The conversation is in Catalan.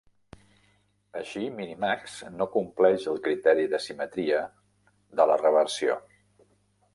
Així, Minimax no compleix el criteri de simetria de la reversió.